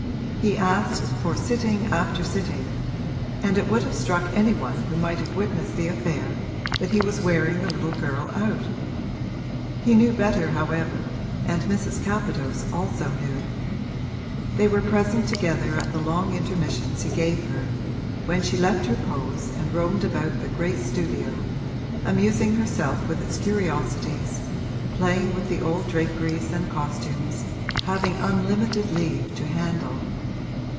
He asked for sitting after sitting, and it would have struck any one who might have witnessed the affair that he was wearing the little girl out. He knew better however and Mrs. Capadose also knew: they were present together at the long intermissions he gave her, when she left her pose and roamed about the great studio, amusing herself with its curiosities, playing with the old draperies and costumes, having unlimited leave to handle.